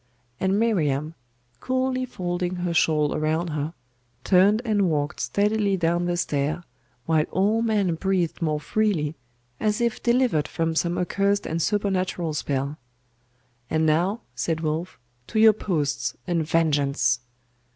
And Miriam, coolly folding her shawl around her, turned and walked steadily down the stair; while all men breathed more freely, as if delivered from some accursed and supernatural spell. 'And now,' said Wulf, 'to your posts, and vengeance!